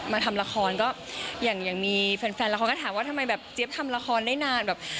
เล่ามาทำละครก็อย่างมีแฟนละครก็ถามว่าจะทำละครได้ไหม